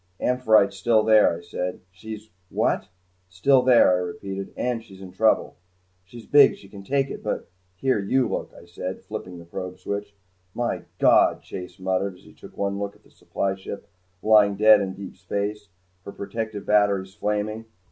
"'Amphitrite's' still there," I said. "She's what?" "Still there," I repeated. "And she's in trouble." "She's big. She can take it but " "Here, you look," I said, flipping the probe switch. "My God!" Chase muttered as he took one look at the supply ship lying dead in space, her protective batteries flaming.